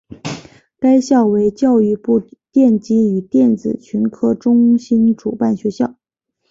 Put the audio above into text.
该校为教育部电机与电子群科中心主办学校。